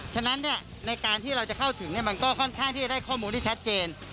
ฉะนั้นในการที่เราจะเข้าถึงมันก็ค่อนข้างที่จะได้ข้อมูลที่ชัดเจน